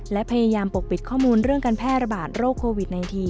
และพยายามปกปิดข้อมูลเรื่องการแพร่ระบาดโรคโควิด๑๙